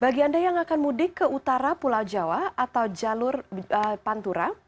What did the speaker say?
bagi anda yang akan mudik ke utara pulau jawa atau jalur pantura